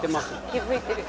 気付いてる。